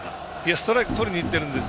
ストライクとりにいってるんです。